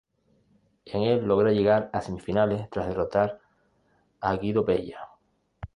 En el logra llegar a semifinales tras derrotar a Guido Pella.